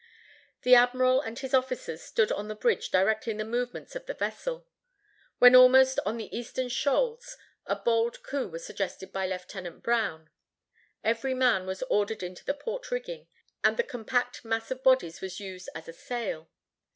The admiral and his officers stood on the bridge directing the movements of the vessel. When almost on the eastern shoals a bold coup was suggested by Lieut. Brown. Every man was ordered into the port rigging, and the compact mass of bodies was used as a sail.